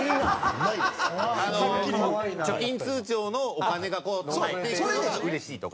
貯金通帳のお金がたまっていくのがうれしいとか？